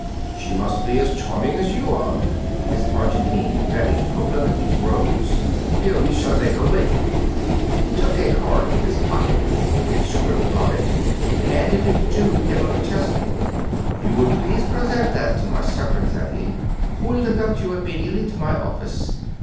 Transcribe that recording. "She must be as charming as you are." His Argentine betting proclivities rose. "Here; we shall make a wager!" He took a card from his pocket, scribbled on it, handed it to Emma McChesney. "You will please present that to my secretary, who will conduct you immediately to my office.